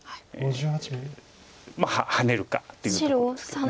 ハネるかというとこですけど。